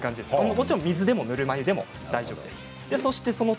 もちろん水でもぬるま湯でも大丈夫です。